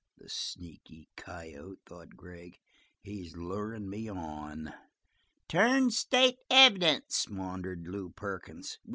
"The sneaky coyote," thought Gregg, "he's lurin' me on!" "Turned state's evidence!" maundered Lew Perkins.